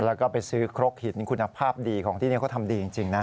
แล้วก็ไปซื้อครกหินคุณภาพดีของที่นี่เขาทำดีจริงนะ